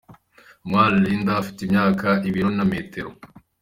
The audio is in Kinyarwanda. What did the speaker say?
Umwali Lindah afite imyaka , ibiro na metero .